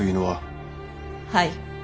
はい。